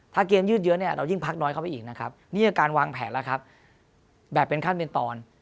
ถ้าเกมยืดเยอะเนี่ยเรายิ่งพักน้อยเข้าไปอีกนะครับนี่คือการวางแผนแล้วครับแบบเป็นขั้นเป็นตอน